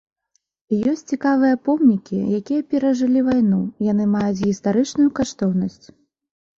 Ёсць цікавыя помнікі, якія перажылі вайну, яны маюць гістарычную каштоўнасць.